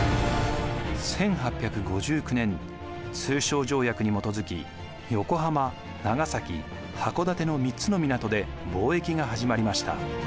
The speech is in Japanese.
１８５９年通商条約に基づき横浜・長崎・箱館の３つの港で貿易が始まりました。